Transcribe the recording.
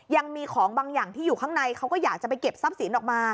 ยังมีของบางอย่างที่อยู่ข้างในเขาก็อยากจะไปเก็บทรัพย์สินออกมา